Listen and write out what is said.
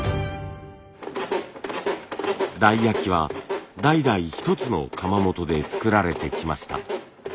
台焼は代々一つの窯元で作られてきました。